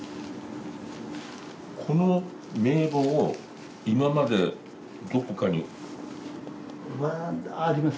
この名簿を今までどこかに？あります。